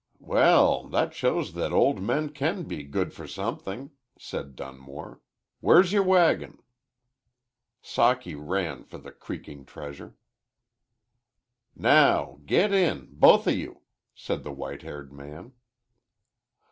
"Well, that shows that old men can be good for something," said Dunmore. "Where's your wagon?" Socky ran for the creaking treasure. "Now get in both of you," said the whitehaired man.